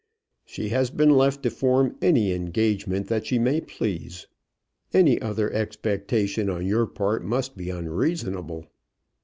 She has been left to form any engagement that she may please. Any other expectation on your part must be unreasonable.